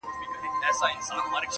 • د ماڼوګاڼو له اختیاره تللې -